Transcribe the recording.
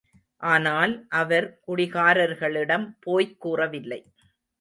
ஆனால், அவர் குடிகாரர்களிடம் போய்க் கூறவில்லை.